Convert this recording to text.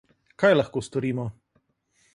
Kaj lahko storimo?